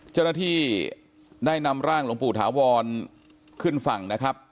เจ้าหน้าที่ได้นำร่างหลวงปู่ถาวรขึ้นฝั่งนะครับ